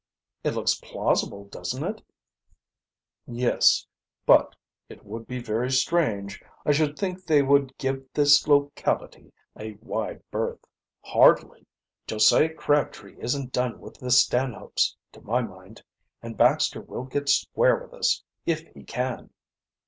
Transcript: "It looks plausible, doesn't it?" "Yes, but it would be very strange. I should think they would give this locality a wide berth." "Hardly. Josiah Crabtree isn't done with the Stanhopes, to my mind, and Baxter will get square with us if he can."